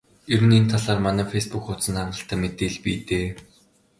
Ер нь энэ талаар манай фейсбүүк хуудсанд хангалттай мэдээлэл бий дээ.